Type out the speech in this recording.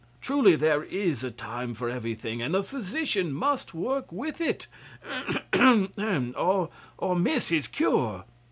Truly there is a time for everything; and the physician must work with it ahem! or miss his cure.